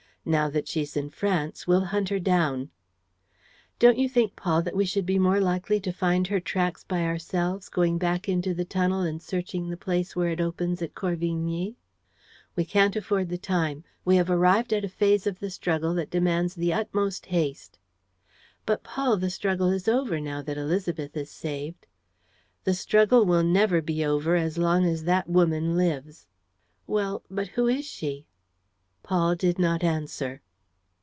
Now that she's in France, we'll hunt her down." "Don't you think, Paul, that we should be more likely to find her tracks by ourselves going back into the tunnel and searching the place where it opens at Corvigny?" "We can't afford the time. We have arrived at a phase of the struggle that demands the utmost haste." "But, Paul, the struggle is over, now that Élisabeth is saved." "The struggle will never be over as long as that woman lives." "Well, but who is she?" Paul did not answer.